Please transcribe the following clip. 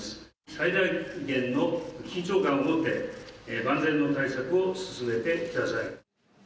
最大限の緊張感を持って、万全の対策を進めてください。